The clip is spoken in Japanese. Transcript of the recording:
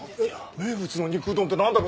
名物の肉うどんって何だろ？